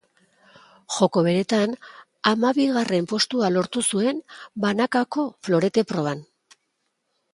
Joko beretan, hamabigarren postua lortu zuen banakako florete proban.